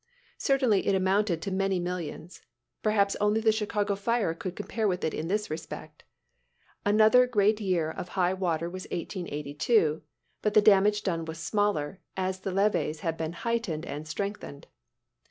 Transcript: Certainly it amounted to many millions. Perhaps only the Chicago fire could compare with it in this respect. Another great year of high water was 1882: but the damage done was smaller, as the levees had been heightened and strengthened.